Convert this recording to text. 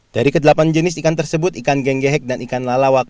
dari ke delapan jenis ikan tersebut ikan genggehek dan ikan lalawak